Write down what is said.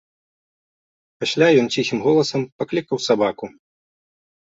Пасля ён ціхім голасам паклікаў сабаку.